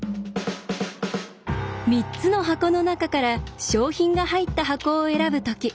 ３つの箱の中から賞品が入った箱を選ぶとき